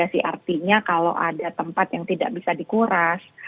artinya kalau ada tempat yang tidak bisa dikuras